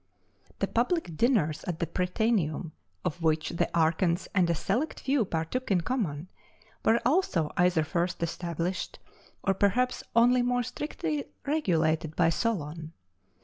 The public dinners at the Prytaneum, of which the archons and a select few partook in common, were also either first established, or perhaps only more strictly regulated, by Solon.